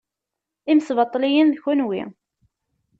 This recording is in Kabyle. Imesbaṭliyen d kenwi.